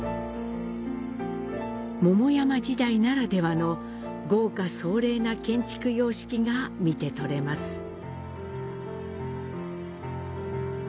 桃山時代ならではの豪華壮麗な建築様式が見て取れます。